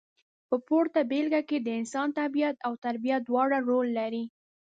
په پورته بېلګه کې د انسان طبیعت او تربیه دواړه رول لري.